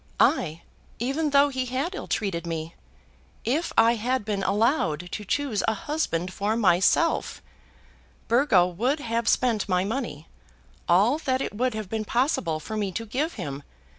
ay, even though he had ill treated me, if I had been allowed to choose a husband for myself. Burgo would have spent my money, all that it would have been possible for me to give him.